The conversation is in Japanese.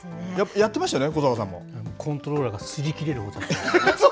やってましたよね、小坂さんも。コントローラーがすり切れるほど。